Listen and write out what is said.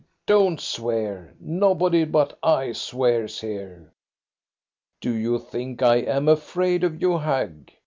don't swear. Nobody but I swears here. " "Do you think I am afraid of you, hag.